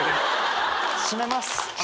閉めます。